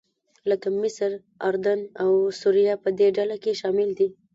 لکه مصر، اردن او سوریه په دې ډله کې شامل دي.